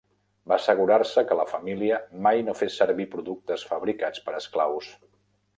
Va assegurar-se que la família mai no fes servir productes fabricats per esclaus.